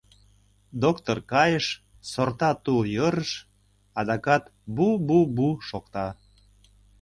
Доктор кайыш, сорта тул йӧрыш, адакат «бу-бу-бу» шокта...